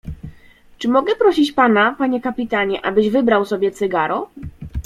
"Czy mogę prosić pana, panie kapitanie, abyś wybrał sobie cygaro?"